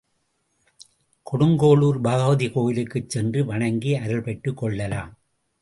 கொடுங்கோளூர் பகவதி கோயிலுக்கும் சென்று வணங்கி, அருள் பெற்றுக் கொள்ளலாம்.